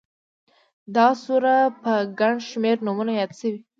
دا سوره په گڼ شمېر نومونو ياده شوې